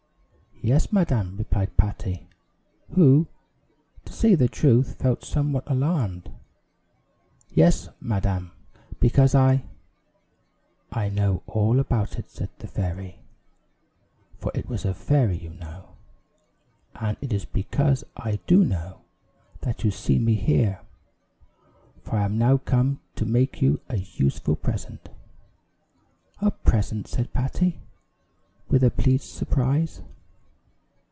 "Yes, Madam," replied Patty, who, to say the truth, felt somewhat alarmed; "yes, Madam, because I " "I know all about it," said the fairy, for it was a fairy, you know; "and it is because I do know, that you see me here, for I am now come to make you a useful present." "A present!" said Patty, with a pleased surprise.